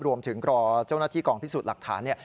รอเจ้าหน้าที่กองพิสูจน์หลักฐาน